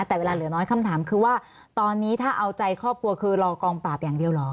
แต่เวลาเหลือน้อยคำถามคือว่าตอนนี้ถ้าเอาใจครอบครัวคือรอกองปราบอย่างเดียวเหรอ